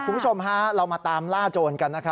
คุณผู้ชมเรามาตามล่าโจรกัน